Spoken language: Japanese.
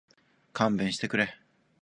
勘弁してくれ